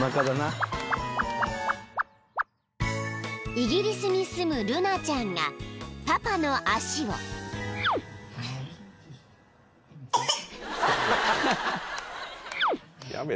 ［イギリスに住むルナちゃんがパパの足を］オエッ！